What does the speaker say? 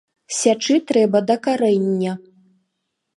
— Сячы трэба да карэння.